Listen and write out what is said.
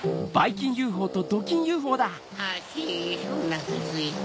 ハヒおなかすいた。